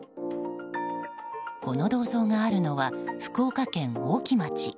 この銅像があるのは福岡県大木町。